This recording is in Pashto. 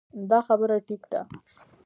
دا خبره ټيک ده -